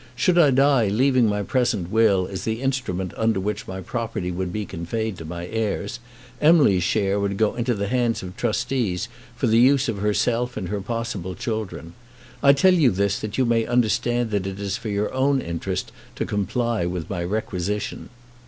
Should I die leaving my present will as the instrument under which my property would be conveyed to my heirs, Emily's share would go into the hands of trustees for the use of herself and her possible children. I tell you this that you may understand that it is for your own interest to comply with my requisition.